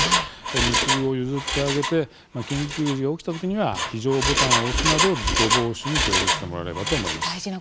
道を譲ってあげて緊急時が起きたときには非常ボタンを押すなど事故防止に協力してもらえればと思います。